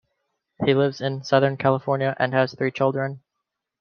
He lives in Southern California and has three children.